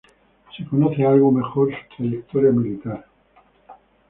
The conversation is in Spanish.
Se conoce algo mejor su trayectoria militar.